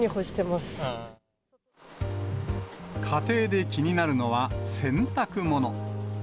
家庭で気になるのは洗濯物。